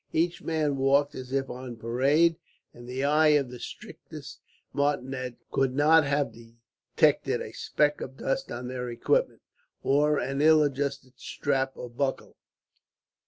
Each man walked as if on parade, and the eye of the strictest martinet could not have detected a speck of dust on their equipment, or an ill adjusted strap or buckle.